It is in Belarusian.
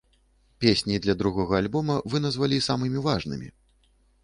Песні для другога альбома вы назвалі самымі важнымі.